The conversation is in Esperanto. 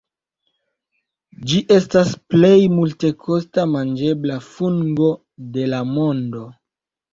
Ĝi estas plej multekosta manĝebla fungo de la mondo.